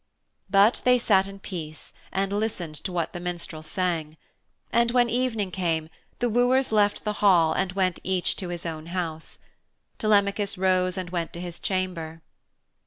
But they sat in peace and listened to what the minstrel sang. And when evening came the wooers left the hall and went each to his own house. Telemachus rose and went to his chamber.